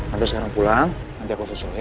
tante sekarang pulang nanti aku susul ya